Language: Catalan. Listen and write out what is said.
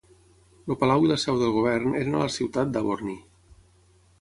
El Palau i la seu del govern eren a la ciutat d'Aborney.